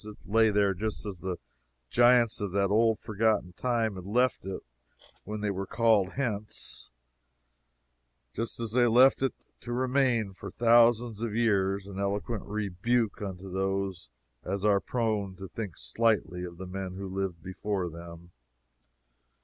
It lay there just as the giants of that old forgotten time had left it when they were called hence just as they had left it, to remain for thousands of years, an eloquent rebuke unto such as are prone to think slightingly of the men who lived before them.